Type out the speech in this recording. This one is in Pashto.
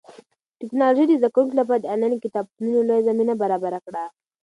ټیکنالوژي د زده کوونکو لپاره د انلاین کتابتونونو لویه زمینه برابره کړه.